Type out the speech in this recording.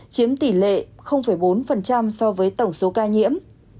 chiếm tỷ lệ bốn so với tổng số ca nhiễm